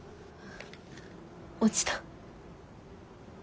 落ちた。